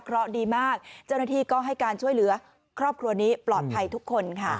เพราะดีมากเจ้าหน้าที่ก็ให้การช่วยเหลือครอบครัวนี้ปลอดภัยทุกคนค่ะ